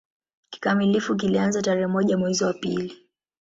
Kikamilifu kilianza tarehe moja mwezi wa pili